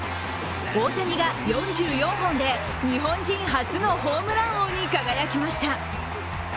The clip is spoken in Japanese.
大谷が４４本で日本人初のホームラン王に輝きました。